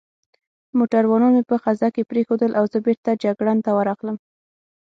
موټروانان مې په خزه کې پرېښوول او زه بېرته جګړن ته ورغلم.